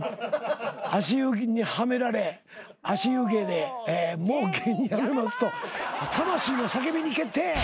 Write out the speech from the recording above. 足湯にはめられ足湯芸でもう芸人辞めますと魂の叫びに決定。